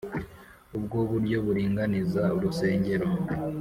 ubwo buryo buringaniza urusengero